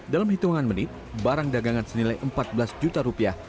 dalam hitungan menit barang dagangan senilai empat belas juta rupiah